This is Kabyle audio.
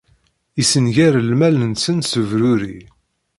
Issenger lmal-nsen s ubruri.